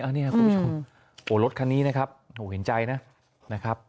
อันนี้ครับคุณผู้ชมโหรถคันนี้นะครับโหเห็นใจนะนะครับ